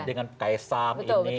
dengan ksam ini